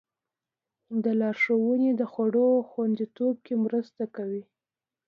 دا لارښوونې د خوړو خوندیتوب کې مرسته کوي.